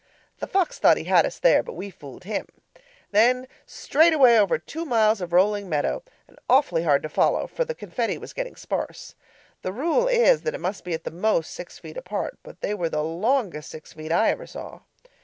The fox thought he had us there, but we fooled him. Then straight away over two miles of rolling meadow, and awfully hard to follow, for the confetti was getting sparse. The rule is that it must be at the most six feet apart, but they were the longest six feet I ever saw.